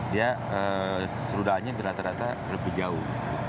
dia serudanya rata rata lebih jauh